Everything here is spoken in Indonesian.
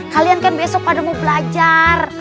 kalian kan besok pada mau belajar